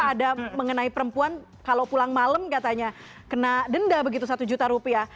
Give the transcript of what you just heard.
ada mengenai perempuan kalau pulang malam katanya kena denda begitu satu juta rupiah